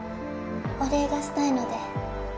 お礼がしたいので。